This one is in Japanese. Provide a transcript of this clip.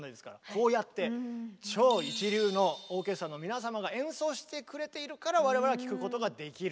こうやって超一流のオーケストラの皆様が演奏してくれているから我々は聴くことができる。